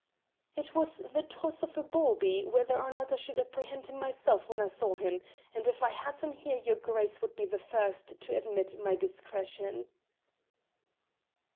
"It was the toss of a bawbee whether or not I should apprehend him myself when I saw him, and if I had him here your Grace would be the first to admit my discretion."